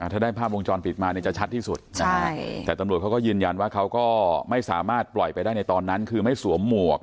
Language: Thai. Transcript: ถ้าได้ภาพวงจรปิดมาเนี่ยจะชัดที่สุดนะฮะแต่ตำรวจเขาก็ยืนยันว่าเขาก็ไม่สามารถปล่อยไปได้ในตอนนั้นคือไม่สวมหมวก